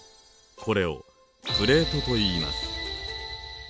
これをプレートといいます。